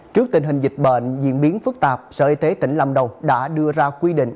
trước tình hình dịch bệnh diễn biến phức tạp sở y tế tỉnh lâm đồng đã đưa ra quy định